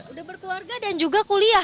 udah berkeluarga dan juga kuliah